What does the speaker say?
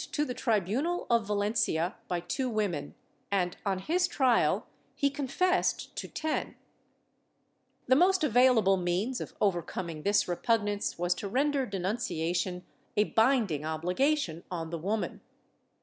108 SOLICITATION [Book VIII to the tribunal of Valencia by two women and, on his trial, he confessed to ten/ The most available means of overcoming this repugnance was to render denunciation a binding obligation on the woman.